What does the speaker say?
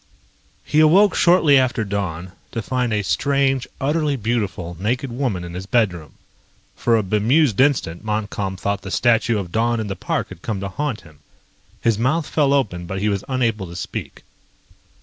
He awoke shortly after dawn to find a strange, utterly beautiful naked woman in his bedroom. For a bemused instant Montcalm thought the statue of Dawn in the park had come to haunt him. His mouth fell open but he was unable to speak.